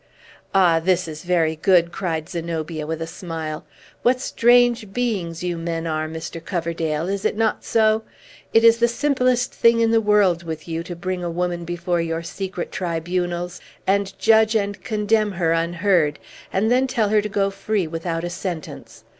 "Ah, this is very good!" cried Zenobia with a smile. "What strange beings you men are, Mr. Coverdale! is it not so? It is the simplest thing in the world with you to bring a woman before your secret tribunals, and judge and condemn her unheard, and then tell her to go free without a sentence.